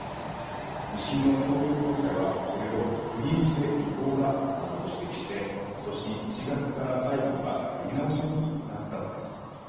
２審の東京高裁はこれは不意打ちで違法だなどと指摘しことし１月から裁判がやり直しになったんです。